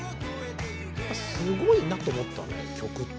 すごいなと思ったね曲って。